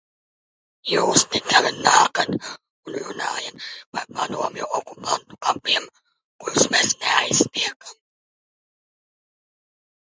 Jūs te tagad nākat un runājat par padomju okupantu kapiem, kurus mēs neaiztiekam.